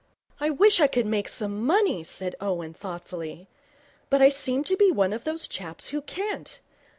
'I wish I could make some money,' said Owen, thoughtfully. 'But I seem to be one of those chaps who can't.